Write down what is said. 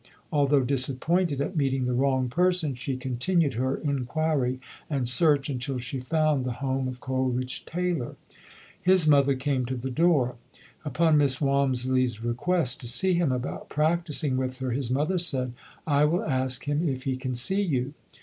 Although disappointed at meeting the wrong per son, she continued her inquiry and search until she found the home of Coleridge Taylor. His mother came to the door. Upon Miss 144 ] UNSUNG HEROES Walmisley's request to see him about practicing with her, his mother said, "I will ask him if he can see you".